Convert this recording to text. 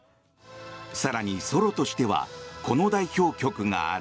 更に、ソロとしてはこの代表曲がある。